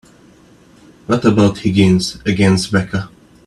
What about Higgins against Becca?